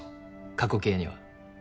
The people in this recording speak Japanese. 過去形には。